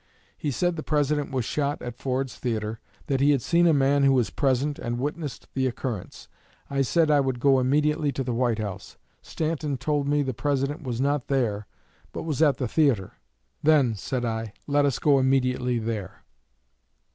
He said the President was shot at Ford's Theatre, that he had seen a man who was present and witnessed the occurrence. I said I would go immediately to the White House. Stanton told me the President was not there but was at the theatre. 'Then,' said I, 'let us go immediately there.'